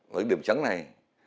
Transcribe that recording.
và cái điểm trắng này